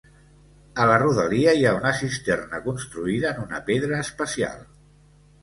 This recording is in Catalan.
A la rodalia hi ha una cisterna construïda en una pedra especial.